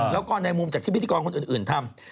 แล้วก็ในมุมจากที่พิธีกรคนอื่นทำ